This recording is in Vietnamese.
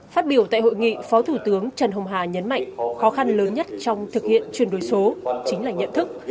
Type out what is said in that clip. phát biểu tại hội nghị phó thủ tướng trần hồng hà nhấn mạnh khó khăn lớn nhất trong thực hiện chuyển đổi số chính là nhận thức